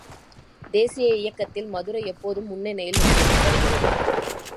தேசீய இயக்கத்தில் மதுரை எப்போதும் முன்னணியில் நின்று வருகிறது.